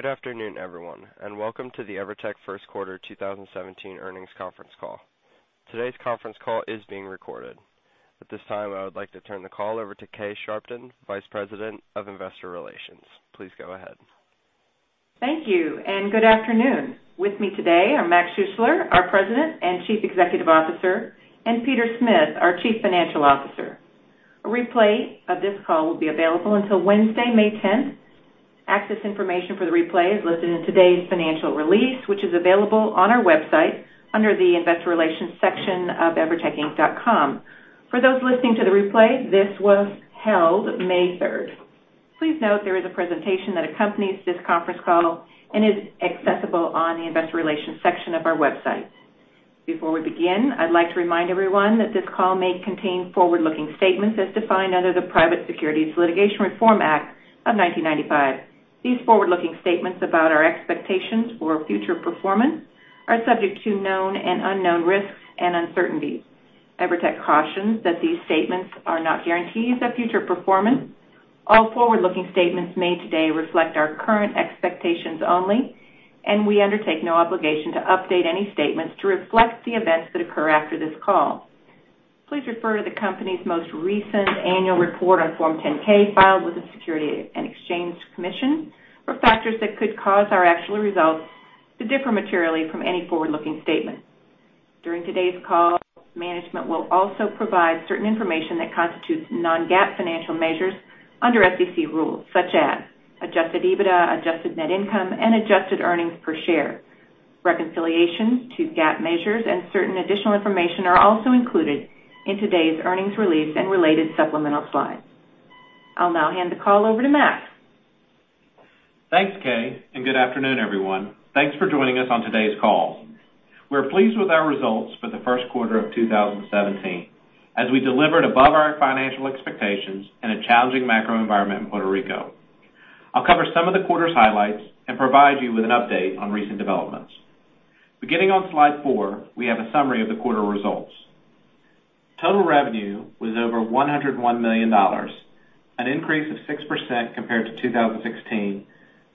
Good afternoon, everyone, and welcome to the EVERTEC first quarter 2017 earnings conference call. Today's conference call is being recorded. At this time, I would like to turn the call over to Kay Sharpton, Vice President of Investor Relations. Please go ahead. Thank you, and good afternoon. With me today are Mac Schuessler, our President and Chief Executive Officer, and Peter Smith, our Chief Financial Officer. A replay of this call will be available until Wednesday, May 10th. Access information for the replay is listed in today's financial release, which is available on our website under the Investor Relations section of evertecinc.com. For those listening to the replay, this was held May 3rd. Please note there is a presentation that accompanies this conference call and is accessible on the Investor Relations section of our website. Before we begin, I'd like to remind everyone that this call may contain forward-looking statements as defined under the Private Securities Litigation Reform Act of 1995. These forward-looking statements about our expectations for future performance are subject to known and unknown risks and uncertainties. EVERTEC cautions that these statements are not guarantees of future performance. All forward-looking statements made today reflect our current expectations only. We undertake no obligation to update any statements to reflect the events that occur after this call. Please refer to the company's most recent annual report on Form 10-K filed with the Securities and Exchange Commission for factors that could cause our actual results to differ materially from any forward-looking statement. During today's call, management will also provide certain information that constitutes non-GAAP financial measures under SEC rules, such as adjusted EBITDA, adjusted net income, and adjusted earnings per share. Reconciliation to GAAP measures and certain additional information are also included in today's earnings release and related supplemental slides. I'll now hand the call over to Max. Thanks, Kay. Good afternoon, everyone. Thanks for joining us on today's call. We're pleased with our results for the first quarter of 2017, as we delivered above our financial expectations in a challenging macro environment in Puerto Rico. I'll cover some of the quarter's highlights and provide you with an update on recent developments. Beginning on slide four, we have a summary of the quarter results. Total revenue was over $101 million, an increase of 6% compared to 2016,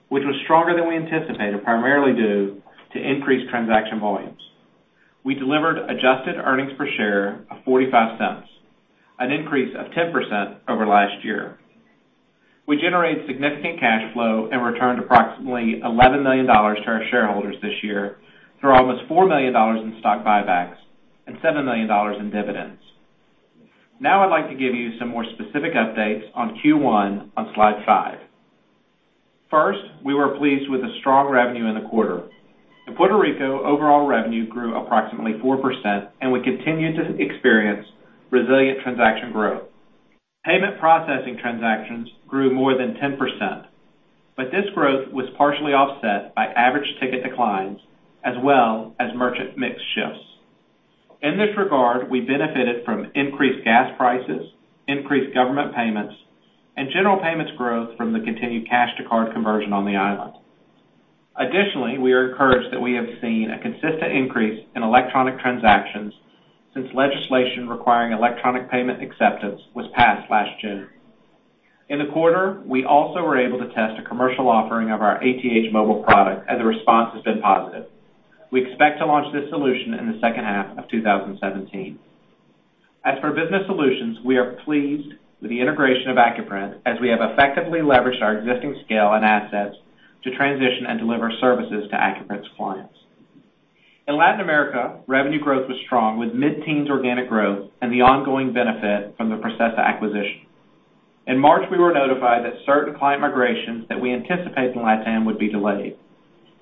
which was stronger than we anticipated, primarily due to increased transaction volumes. We delivered adjusted earnings per share of $0.45, an increase of 10% over last year. We generated significant cash flow and returned approximately $11 million to our shareholders this year through almost $4 million in stock buybacks and $7 million in dividends. I'd like to give you some more specific updates on Q1 on slide five. First, we were pleased with the strong revenue in the quarter. In Puerto Rico, overall revenue grew approximately 4%, and we continued to experience resilient transaction growth. Payment processing transactions grew more than 10%, but this growth was partially offset by average ticket declines as well as merchant mix shifts. In this regard, we benefited from increased gas prices, increased government payments, and general payments growth from the continued cash to card conversion on the island. Additionally, we are encouraged that we have seen a consistent increase in electronic transactions since legislation requiring electronic payment acceptance was passed last June. In the quarter, we also were able to test a commercial offering of our ATH Móvil product and the response has been positive. We expect to launch this solution in the second half of 2017. As for business solutions, we are pleased with the integration of Accuprint, as we have effectively leveraged our existing scale and assets to transition and deliver services to Accuprint's clients. In Latin America, revenue growth was strong with mid-teens organic growth and the ongoing benefit from the Processa acquisition. In March, we were notified that certain client migrations that we anticipate in Latam would be delayed.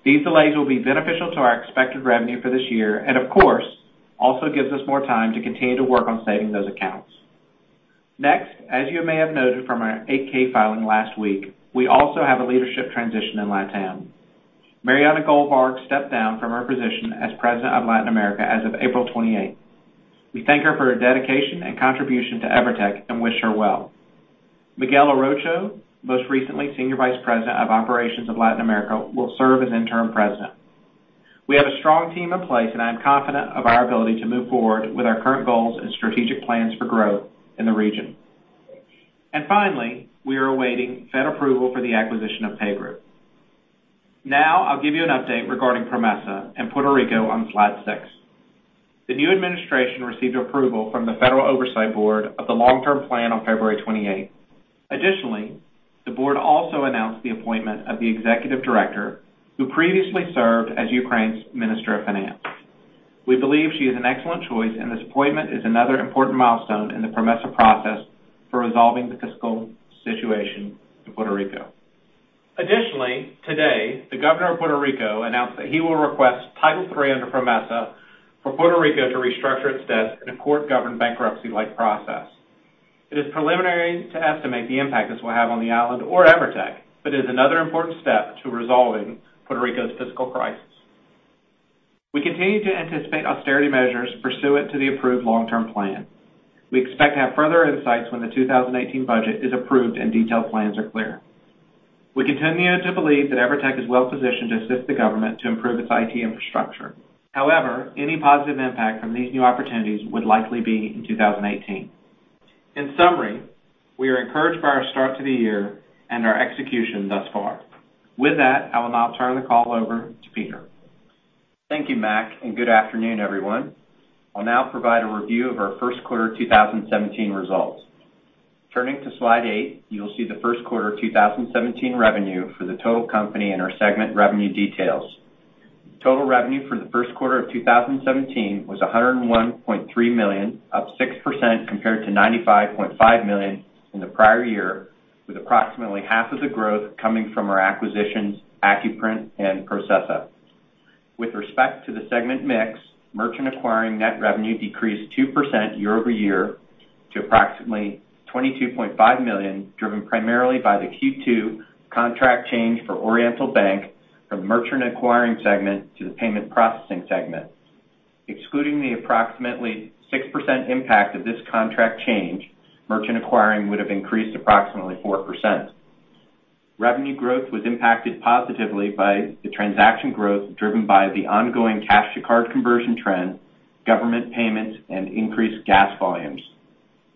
These delays will be beneficial to our expected revenue for this year and of course, also gives us more time to continue to work on saving those accounts. As you may have noted from our 8-K filing last week, we also have a leadership transition in Latam. Mariana Goldvarg stepped down from her position as President of Latin America as of April 28th. We thank her for her dedication and contribution to EVERTEC and wish her well. Miguel Arocho, most recently Senior Vice President of Operations of Latin America, will serve as Interim President. We have a strong team in place, and I am confident of our ability to move forward with our current goals and strategic plans for growth in the region. Finally, we are awaiting Fed approval for the acquisition of PayGroup. I'll give you an update regarding PROMESA in Puerto Rico on slide six. The new administration received approval from the Federal Oversight Board of the long-term plan on February 28th. The board also announced the appointment of the Executive Director, who previously served as Ukraine's Minister of Finance. We believe she is an excellent choice, and this appointment is another important milestone in the PROMESA process for resolving the fiscal situation in Puerto Rico. Today, the Governor of Puerto Rico announced that he will request Title III under PROMESA for Puerto Rico to restructure its debt in a court-governed bankruptcy-like process. It is preliminary to estimate the impact this will have on the island or EVERTEC, but is another important step to resolving Puerto Rico's fiscal crisis. We continue to anticipate austerity measures pursuant to the approved long-term plan. We expect to have further insights when the 2018 budget is approved and detailed plans are clear. We continue to believe that EVERTEC is well-positioned to assist the government to improve its IT infrastructure. Any positive impact from these new opportunities would likely be in 2018. We are encouraged by our start to the year and our execution thus far. I will now turn the call over to Peter. Thank you, Mac, and good afternoon, everyone. I'll now provide a review of our first quarter 2017 results. Turning to slide eight, you will see the first quarter 2017 revenue for the total company and our segment revenue details. Total revenue for the first quarter of 2017 was $101.3 million, up 6% compared to $95.5 million in the prior year, with approximately half of the growth coming from our acquisitions, Accuprint and Processa. With respect to the segment mix, merchant acquiring net revenue decreased 2% year-over-year to approximately $22.5 million, driven primarily by the Q2 contract change for Oriental Bank from merchant acquiring segment to the payment processing segment. Excluding the approximately 6% impact of this contract change, merchant acquiring would have increased approximately 4%. Revenue growth was impacted positively by the transaction growth driven by the ongoing cash to card conversion trend, government payments, and increased gas volumes.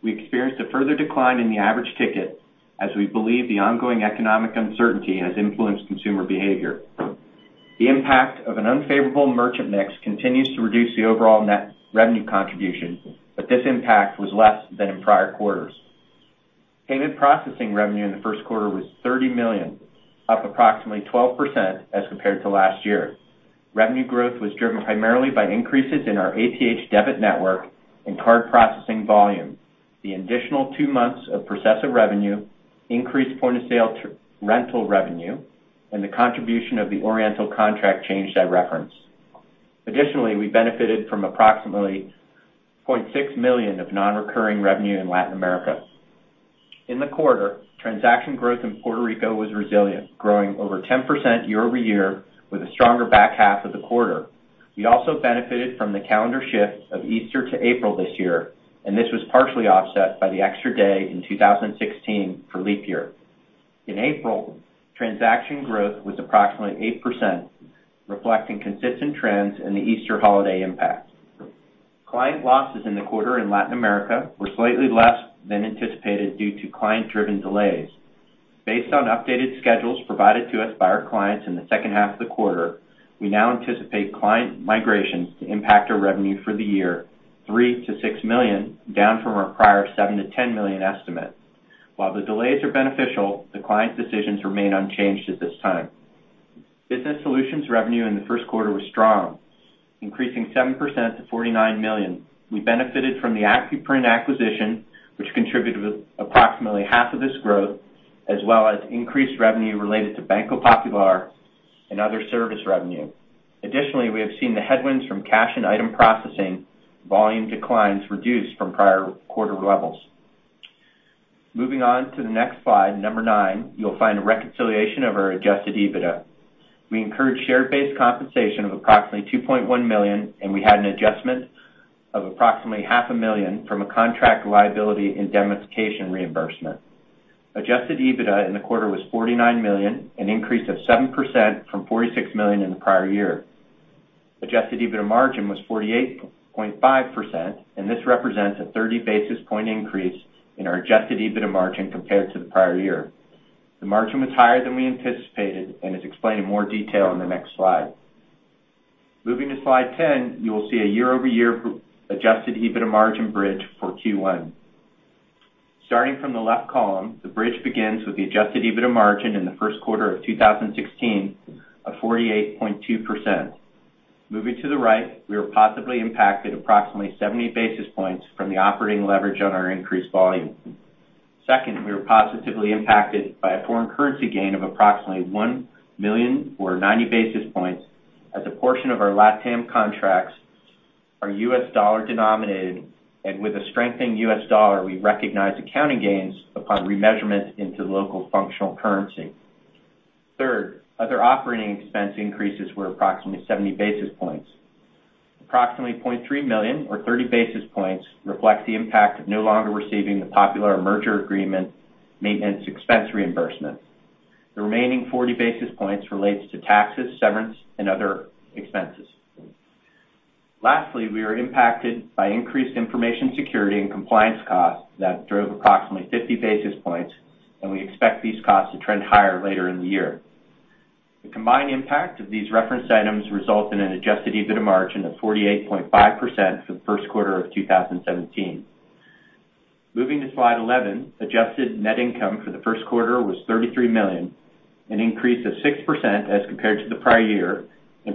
We experienced a further decline in the average ticket as we believe the ongoing economic uncertainty has influenced consumer behavior. The impact of an unfavorable merchant mix continues to reduce the overall net revenue contribution, but this impact was less than in prior quarters. Payment processing revenue in the first quarter was $30 million, up approximately 12% as compared to last year. Revenue growth was driven primarily by increases in our ATH debit network and card processing volume, the additional two months of Processa revenue, increased point-of-sale rental revenue, and the contribution of the Oriental contract change I referenced. Additionally, we benefited from approximately $0.6 million of non-recurring revenue in Latin America. In the quarter, transaction growth in Puerto Rico was resilient, growing over 10% year-over-year with a stronger back half of the quarter. We also benefited from the calendar shift of Easter to April this year, and this was partially offset by the extra day in 2016 for leap year. In April, transaction growth was approximately 8%, reflecting consistent trends in the Easter holiday impact. Client losses in the quarter in Latin America were slightly less than anticipated due to client-driven delays. Based on updated schedules provided to us by our clients in the second half of the quarter, we now anticipate client migrations to impact our revenue for the year $3 million-$6 million, down from our prior $7 million-$10 million estimate. While the delays are beneficial, the client's decisions remain unchanged at this time. Business solutions revenue in the first quarter was strong, increasing 7% to $49 million. We benefited from the Accuprint acquisition, which contributed approximately half of this growth, as well as increased revenue related to Banco Popular and other service revenue. Additionally, we have seen the headwinds from cash and item processing volume declines reduced from prior quarter levels. Moving on to the next slide nine, you'll find a reconciliation of our Adjusted EBITDA. We incurred share-based compensation of approximately $2.1 million, and we had an adjustment of approximately half a million from a contract liability indemnification reimbursement. Adjusted EBITDA in the quarter was $49 million, an increase of 7% from $46 million in the prior year. Adjusted EBITDA margin was 48.5%, and this represents a 30-basis-point increase in our Adjusted EBITDA margin compared to the prior year. The margin was higher than we anticipated and is explained in more detail on the next slide. Moving to slide 10, you will see a year-over-year adjusted EBITDA margin bridge for Q1. Starting from the left column, the bridge begins with the adjusted EBITDA margin in the first quarter of 2016 of 48.2%. Moving to the right, we were positively impacted approximately 70 basis points from the operating leverage on our increased volume. Second, we were positively impacted by a foreign currency gain of approximately $1 million or 90 basis points as a portion of our LatAm contracts are U.S. dollar denominated, and with a strengthening U.S. dollar, we recognize accounting gains upon remeasurement into the local functional currency. Third, other operating expense increases were approximately 70 basis points. Approximately $0.3 million or 30 basis points reflect the impact of no longer receiving the Popular merger agreement maintenance expense reimbursement. The remaining 40 basis points relates to taxes, severance, and other expenses. Lastly, we were impacted by increased information security and compliance costs that drove approximately 50 basis points, and we expect these costs to trend higher later in the year. The combined impact of these referenced items result in an adjusted EBITDA margin of 48.5% for the first quarter of 2017. Moving to slide 11, adjusted net income for the first quarter was $33 million, an increase of 6% as compared to the prior year.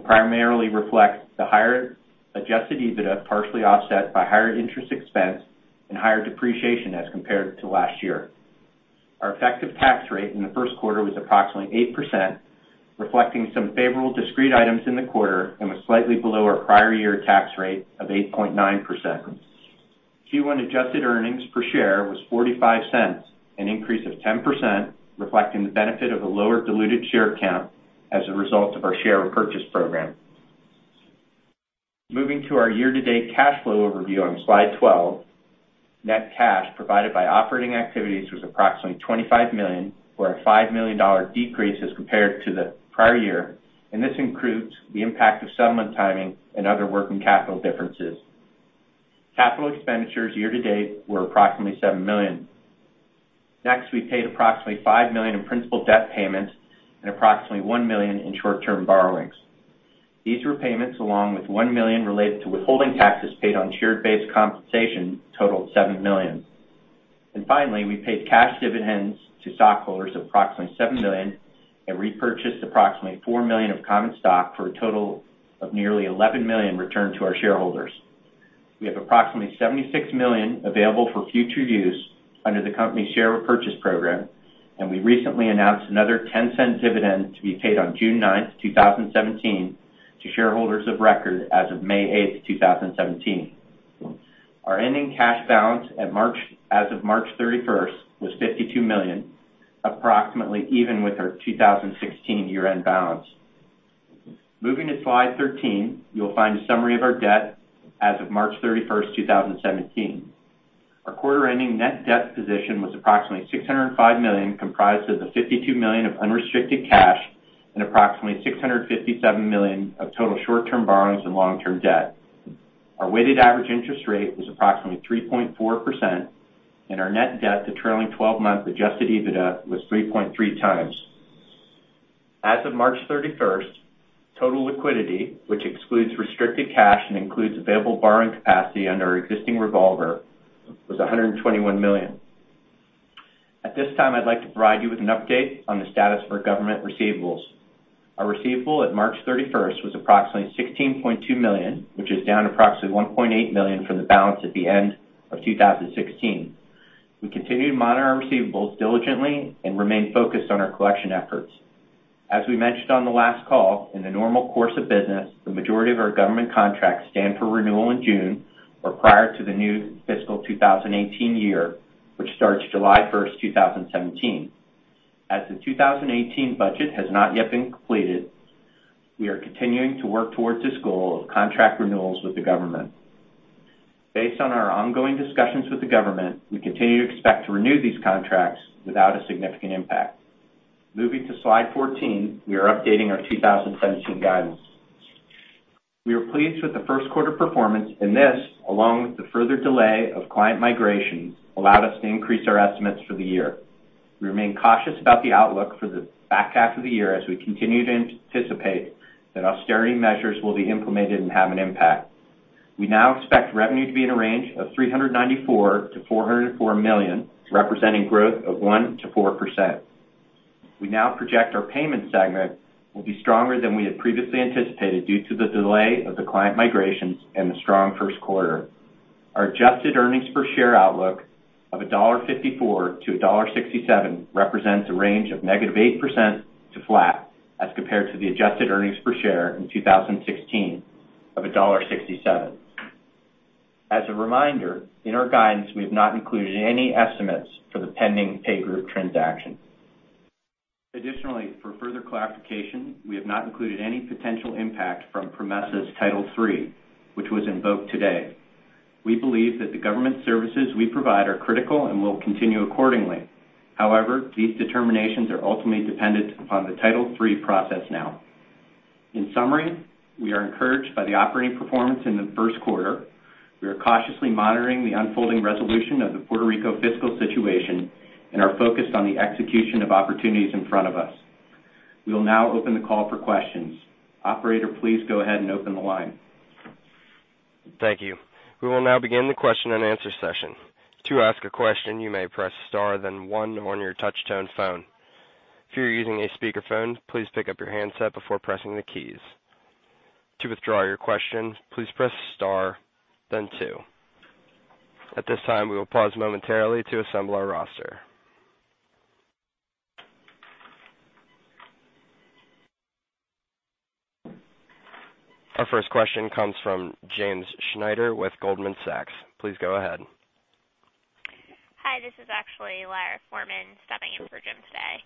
Primarily reflects the higher adjusted EBITDA, partially offset by higher interest expense and higher depreciation as compared to last year. Our effective tax rate in the first quarter was approximately 8%, reflecting some favorable discrete items in the quarter and was slightly below our prior year tax rate of 8.9%. Q1 adjusted earnings per share was $0.45, an increase of 10%, reflecting the benefit of a lower diluted share count as a result of our share repurchase program. Moving to our year-to-date cash flow overview on slide 12. Net cash provided by operating activities was approximately $25 million, or a $5 million decrease as compared to the prior year. This includes the impact of settlement timing and other working capital differences. Capital expenditures year-to-date were approximately $7 million. Next, we paid approximately $5 million in principal debt payments and approximately $1 million in short-term borrowings. These repayments, along with $1 million related to withholding taxes paid on share-based compensation, totaled $7 million. Finally, we paid cash dividends to stockholders of approximately $7 million and repurchased approximately $4 million of common stock for a total of nearly $11 million returned to our shareholders. We have approximately $76 million available for future use under the company share repurchase program. We recently announced another $0.10 dividend to be paid on June 9th, 2017, to shareholders of record as of May 8th, 2017. Our ending cash balance as of March 31st was $52 million, approximately even with our 2016 year-end balance. Moving to slide 13, you'll find a summary of our debt as of March 31st, 2017. Our quarter-ending net debt position was approximately $605 million, comprised of the $52 million of unrestricted cash and approximately $657 million of total short-term borrowings and long-term debt. Our weighted average interest rate was approximately 3.4%, and our net debt to trailing 12-month adjusted EBITDA was 3.3 times. As of March 31st, total liquidity, which excludes restricted cash and includes available borrowing capacity under our existing revolver, was $121 million. At this time, I'd like to provide you with an update on the status of our government receivables. Our receivable at March 31st was approximately $16.2 million, which is down approximately $1.8 million from the balance at the end of 2016. We continue to monitor our receivables diligently and remain focused on our collection efforts. As we mentioned on the last call, in the normal course of business, the majority of our government contracts stand for renewal in June or prior to the new fiscal 2018 year, which starts July 1st, 2017. As the 2018 budget has not yet been completed, we are continuing to work towards this goal of contract renewals with the government. Based on our ongoing discussions with the government, we continue to expect to renew these contracts without a significant impact. Moving to slide 14, we are updating our 2017 guidance. We are pleased with the first quarter performance, and this, along with the further delay of client migration, allowed us to increase our estimates for the year. We remain cautious about the outlook for the back half of the year as we continue to anticipate that austerity measures will be implemented and have an impact. We now expect revenue to be in a range of $394 million to $404 million, representing growth of 1% to 4%. We now project our payments segment will be stronger than we had previously anticipated due to the delay of the client migrations and the strong first quarter. Our adjusted earnings per share outlook of $1.54 to $1.67 represents a range of negative 8% to flat as compared to the adjusted earnings per share in 2016 of $1.67. As a reminder, in our guidance, we have not included any estimates for the pending PayGroup transaction. Additionally, for further clarification, we have not included any potential impact from PROMESA's Title III, which was invoked today. We believe that the government services we provide are critical and will continue accordingly. However, these determinations are ultimately dependent upon the Title III process now. In summary, we are encouraged by the operating performance in the first quarter. We are cautiously monitoring the unfolding resolution of the Puerto Rico fiscal situation and are focused on the execution of opportunities in front of us. We will now open the call for questions. Operator, please go ahead and open the line. Thank you. We will now begin the question and answer session. To ask a question, you may press star, then one on your touch-tone phone. If you're using a speakerphone, please pick up your handset before pressing the keys. To withdraw your question, please press star, then two. At this time, we will pause momentarily to assemble our roster. Our first question comes from James Schneider with Goldman Sachs. Please go ahead. Hi, this is actually Lara Foreman stepping in for Jim today.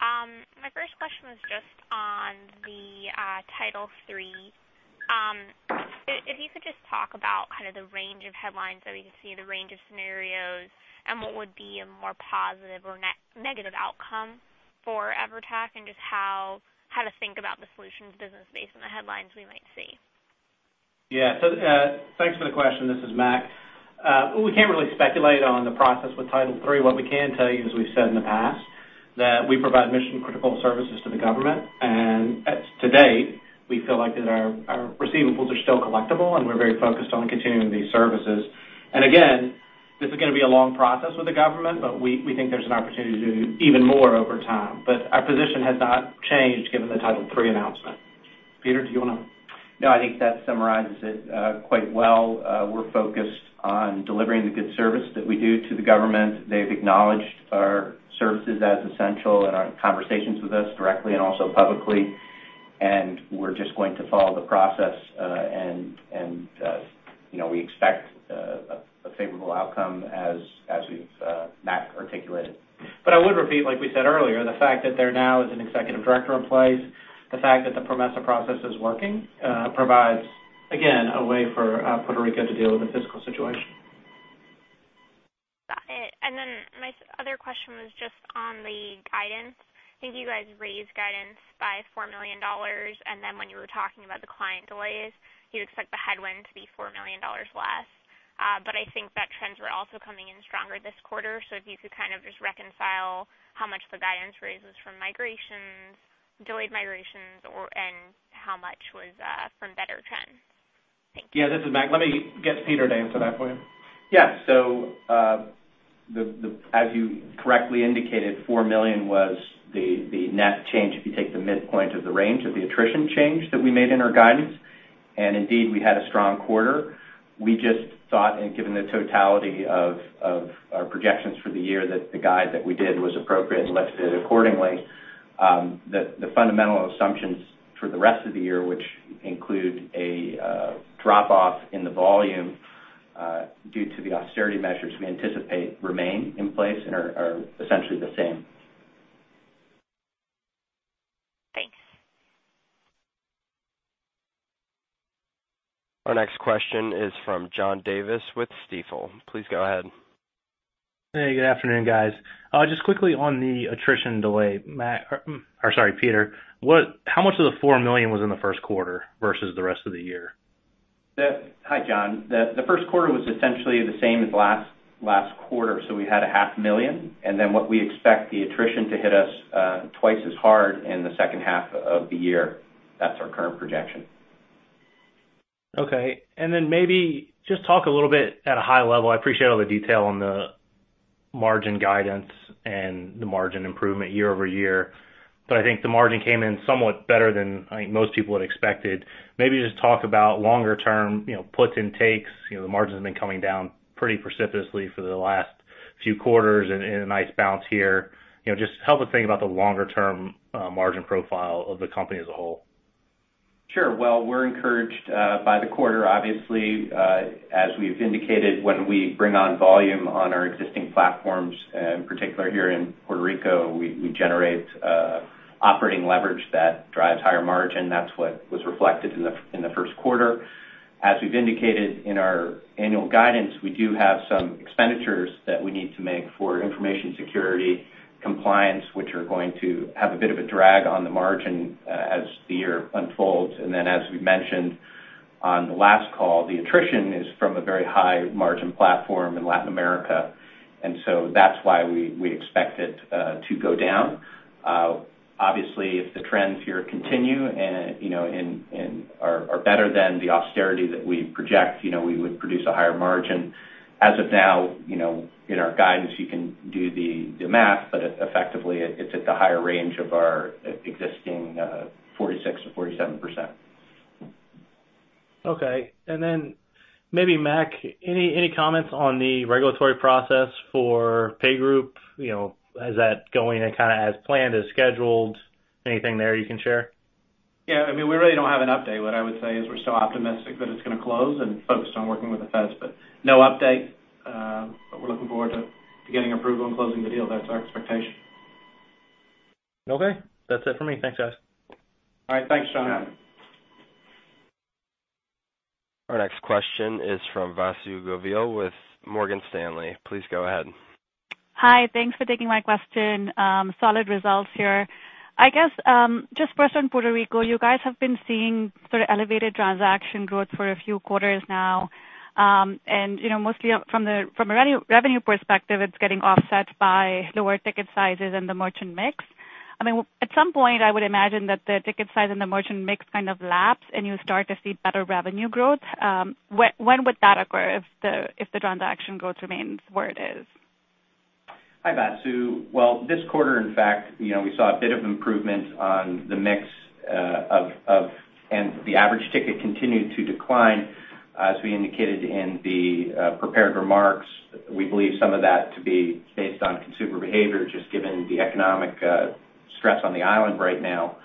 My first question was just on the Title III. If you could just talk about the range of headlines that we could see, the range of scenarios, and what would be a more positive or negative outcome for EVERTEC, and just how to think about the solutions business based on the headlines we might see. Yeah. Thanks for the question. This is Mac. We can't really speculate on the process with Title III. What we can tell you, as we've said in the past, that we provide mission-critical services to the government. To date, we feel like that our receivables are still collectible, and we're very focused on continuing these services. Again, this is going to be a long process with the government, but we think there's an opportunity to do even more over time. Our position has not changed given the Title III announcement. Peter, do you want to? No, I think that summarizes it quite well. We're focused on delivering the good service that we do to the government. They've acknowledged our services as essential in our conversations with us directly and also publicly, and we're just going to follow the process, and we expect a favorable outcome as Mac articulated. I would repeat, like we said earlier, the fact that there now is an executive director in place, the fact that the PROMESA process is working provides, again, a way for Puerto Rico to deal with the fiscal situation. Got it. My other question was just on the guidance. I think you guys raised guidance by $4 million, when you were talking about the client delays, you'd expect the headwind to be $4 million less. I think that trends were also coming in stronger this quarter. If you could kind of just reconcile how much the guidance raise was from delayed migrations, and how much was from better trends. Thanks. Yeah, this is Mac. Let me get Peter to answer that for you. Yeah. As you correctly indicated, $4 million was the net change if you take the midpoint of the range of the attrition change that we made in our guidance, indeed, we had a strong quarter. We just thought, given the totality of our projections for the year, that the guide that we did was appropriate and listed accordingly. The fundamental assumptions for the rest of the year, which include a drop-off in the volume due to the austerity measures we anticipate remain in place and are essentially the same. Thanks. Our next question is from John Davis with Stifel. Please go ahead. Hey, good afternoon, guys. Just quickly on the attrition delay. Peter, how much of the $4 million was in the first quarter versus the rest of the year? Hi, John. The first quarter was essentially the same as last quarter, so we had a half million. What we expect the attrition to hit us twice as hard in the second half of the year. That's our current projection. Okay. Maybe just talk a little bit at a high level. I appreciate all the detail on the margin guidance and the margin improvement year-over-year. I think the margin came in somewhat better than I think most people had expected. Maybe just talk about longer-term puts and takes. The margin's been coming down pretty precipitously for the last few quarters and a nice bounce here. Just help us think about the longer-term margin profile of the company as a whole. Sure. Well, we're encouraged by the quarter. Obviously, as we've indicated, when we bring on volume on our existing platforms, in particular here in Puerto Rico, we generate operating leverage that drives higher margin. That's what was reflected in the first quarter. As we've indicated in our annual guidance, we do have some expenditures that we need to make for information security compliance, which are going to have a bit of a drag on the margin as the year unfolds. As we mentioned on the last call, the attrition is from a very high-margin platform in Latin America, that's why we expect it to go down. Obviously, if the trends here continue and are better than the austerity that we project, we would produce a higher margin. As of now, in our guidance, you can do the math, effectively, it's at the higher range of our existing 46%-47%. Okay. Then maybe, Mac, any comments on the regulatory process for PayGroup? Is that going and kind of as planned, as scheduled? Anything there you can share? Yeah. We really don't have an update. What I would say is we're still optimistic that it's going to close and focused on working with the Fed, but no update. We're looking forward to getting approval and closing the deal. That's our expectation. Okay. That's it for me. Thanks, guys. All right. Thanks, John. Our next question is from Vasundhara Govil with Morgan Stanley. Please go ahead. Hi. Thanks for taking my question. Solid results here. I guess, just first on Puerto Rico, you guys have been seeing sort of elevated transaction growth for a few quarters now. Mostly from a revenue perspective, it's getting offset by lower ticket sizes and the merchant mix. At some point, I would imagine that the ticket size and the merchant mix kind of lapse, and you start to see better revenue growth. When would that occur if the transaction growth remains where it is? Hi, Vasu. Well, this quarter, in fact, we saw a bit of improvement on the mix, and the average ticket continued to decline. As we indicated in the prepared remarks, we believe some of that to be based on consumer behavior, just given the economic stress on the island right now.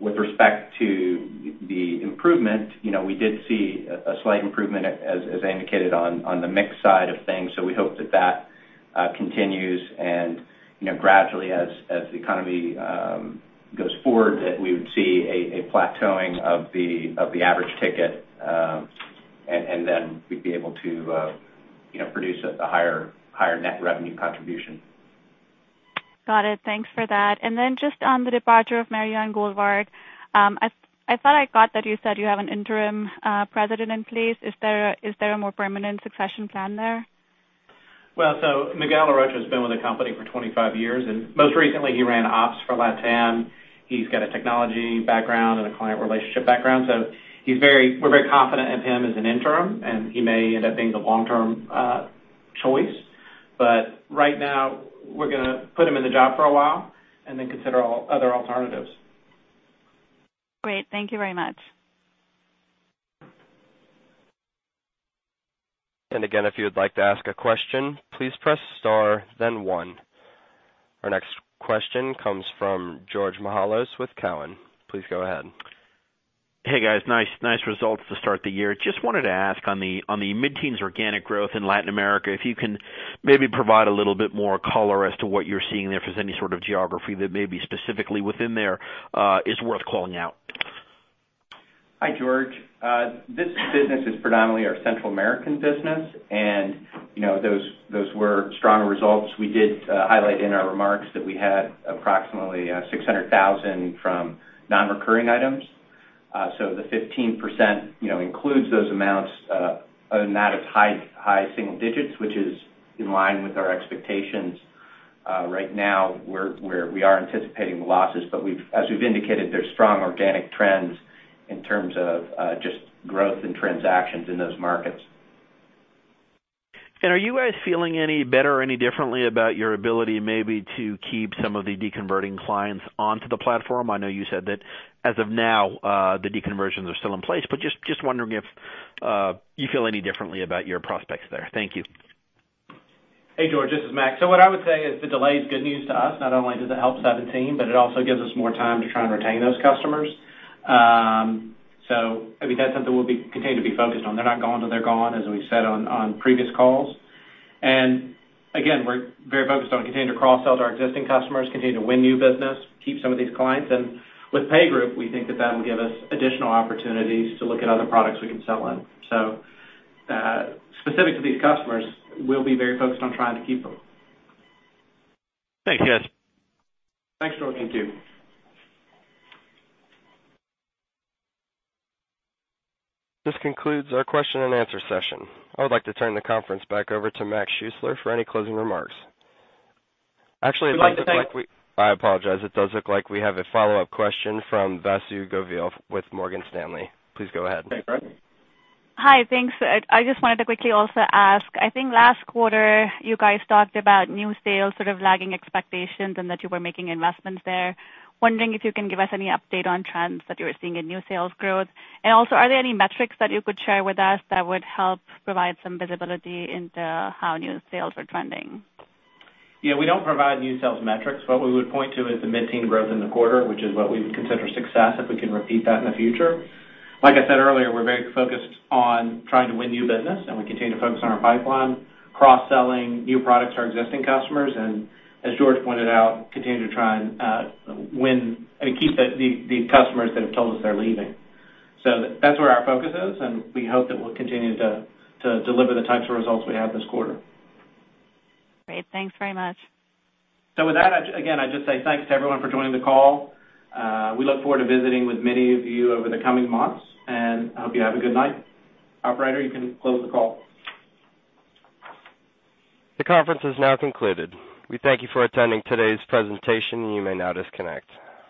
With respect to the improvement, we did see a slight improvement as indicated on the mix side of things. We hope that continues and gradually as the economy goes forward, that we would see a plateauing of the average ticket, and then we'd be able to produce a higher net revenue contribution. Got it. Thanks for that. Just on the departure of Mariana Goldvarg. I thought I caught that you said you have an interim president in place. Is there a more permanent succession plan there? Miguel Arocho has been with the company for 25 years, and most recently he ran ops for LatAm. He's got a technology background and a client relationship background. We're very confident in him as an interim, and he may end up being the long-term choice. Right now, we're going to put him in the job for a while and consider other alternatives. Great. Thank you very much. Again, if you would like to ask a question, please press star then one. Our next question comes from George Mihalos with Cowen. Please go ahead. Hey, guys. Nice results to start the year. Just wanted to ask on the mid-teens organic growth in Latin America, if you can maybe provide a little bit more color as to what you're seeing there, if there's any sort of geography that may be specifically within there is worth calling out. Hi, George. This business is predominantly our Central American business, those were strong results. We did highlight in our remarks that we had approximately $600,000 from non-recurring items. The 15% includes those amounts, other than that, it's high single digits, which is in line with our expectations. Right now we are anticipating losses, as we've indicated, there's strong organic trends in terms of just growth and transactions in those markets. Are you guys feeling any better or any differently about your ability maybe to keep some of the de-converting clients onto the platform? I know you said that as of now, the de-conversions are still in place, just wondering if you feel any differently about your prospects there. Thank you. Hey, George, this is Mac. What I would say is the delay is good news to us. Not only does it help Seventeen, it also gives us more time to try and retain those customers. I mean, that's something we'll be continuing to be focused on. They're not gone till they're gone, as we've said on previous calls. Again, we're very focused on continuing to cross-sell to our existing customers, continue to win new business, keep some of these clients. With PayGroup, we think that that'll give us additional opportunities to look at other products we can sell in. Specific to these customers, we'll be very focused on trying to keep them. Thanks, guys. Thanks, George. Thank you. This concludes our question and answer session. I would like to turn the conference back over to Morgan Schuessler for any closing remarks. Actually. We'd like to thank- I apologize. It does look like we have a follow-up question from Vasundhara Govil with Morgan Stanley. Please go ahead. Okay, go ahead. Hi. Thanks. I just wanted to quickly also ask, I think last quarter you guys talked about new sales sort of lagging expectations and that you were making investments there. Wondering if you can give us any update on trends that you are seeing in new sales growth. Also, are there any metrics that you could share with us that would help provide some visibility into how new sales are trending? Yeah, we don't provide new sales metrics. What we would point to is the mid-teen growth in the quarter, which is what we would consider success if we can repeat that in the future. Like I said earlier, we're very focused on trying to win new business, and we continue to focus on our pipeline, cross-selling new products to our existing customers, and as George pointed out, continue to try and keep the customers that have told us they're leaving. That's where our focus is, and we hope that we'll continue to deliver the types of results we have this quarter. Great. Thanks very much. With that, again, I just say thanks to everyone for joining the call. We look forward to visiting with many of you over the coming months, and I hope you have a good night. Operator, you can close the call. The conference is now concluded. We thank you for attending today's presentation. You may now disconnect.